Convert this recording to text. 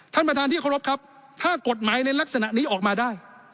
ทนบทที่เคราะห์บครับถ้ากฎหมายในลักษณะนี้ออกมาได้